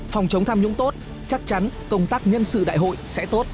phòng chống tham nhũng tốt chắc chắn công tác nhân sự đại hội sẽ tốt